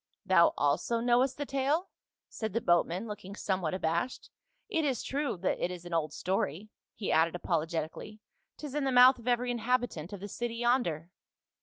"* "Thou also knowest the tale?" said the boatman looking somewhat abashed. "It is true that it is an old story," he added apologetically, " 'tis in the mouth of every inhabitant of the city yonder."